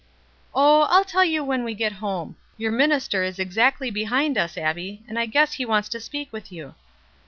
"Oh, I'll tell you when we get home. Your minister is exactly behind us, Abbie, and I guess he wants to speak with you."